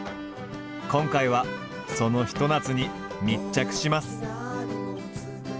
今回はそのひと夏に密着します。